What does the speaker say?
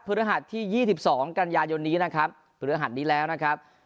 ฤหัสที่๒๒กันยายนนี้นะครับพฤหัสนี้แล้วนะครับ